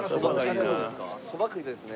そば食いたいですね。